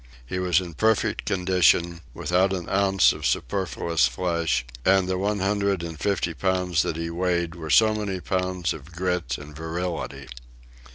He was in perfect condition, without an ounce of superfluous flesh, and the one hundred and fifty pounds that he weighed were so many pounds of grit and virility.